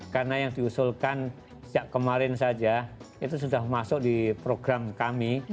karena yang diusulkan sejak kemarin saja itu sudah masuk di program kami